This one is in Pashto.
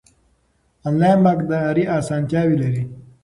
انلاین بانکداري اسانتیاوې لري.